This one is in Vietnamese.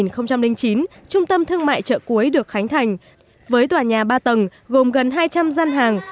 năm hai nghìn chín trung tâm thương mại chợ cuối được khánh thành với tòa nhà ba tầng gồm gần hai trăm linh gian hàng